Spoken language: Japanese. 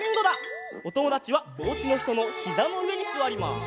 おともだちはおうちのひとのひざのうえにすわります。